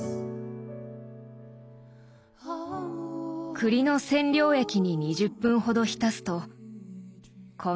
栗の染料液に２０分ほど浸すとこんな色。